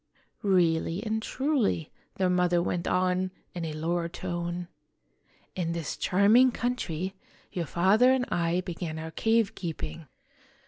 30 IMAGINOTIONS " Really and truly," their mother went on, in a lower tone. " In this charming country, your father and I began our cave keeping.